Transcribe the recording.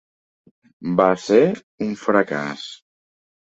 Va ser un fracàs.